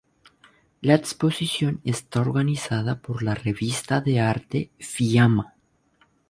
La exposición está organizada por la revista de arte "Fiamma".